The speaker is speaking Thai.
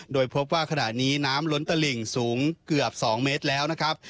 โดยพบว่าขณะนี้น้ำล้นตลิ่งสูงเกือบ๒เมตรแล้วนะครับ